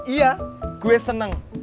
iya gue seneng